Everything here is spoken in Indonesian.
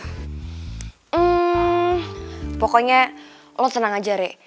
hmm pokoknya lu tenang aja re